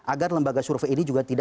agar lembaga survei ini